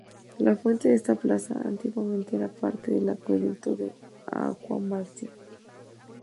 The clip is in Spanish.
La fuente de esta plaza era antiguamente parte del acueducto de Aqua Marcia.